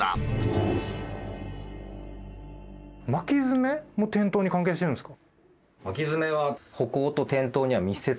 巻きヅメも転倒に関係してるんですか？